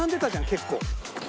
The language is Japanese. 結構。